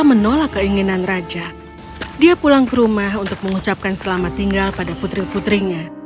menolak keinginan raja dia pulang ke rumah untuk mengucapkan selamat tinggal pada putri putrinya